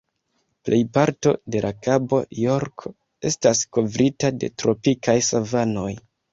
Plej parto de la Kabo Jorko estas kovrita de tropikaj savanoj.